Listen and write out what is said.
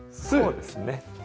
そうですね。